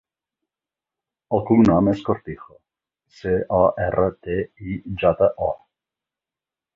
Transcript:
El cognom és Cortijo: ce, o, erra, te, i, jota, o.